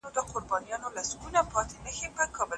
څه باندي پنځوس کاله به کیږي